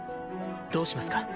どうしますか？